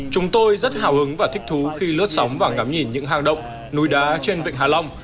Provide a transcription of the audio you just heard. chúng tôi rất hào hứng và thích thú khi lướt sóng và ngắm nhìn những hang động núi đá trên vịnh hạ long